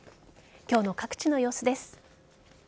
今日の各地の様子です。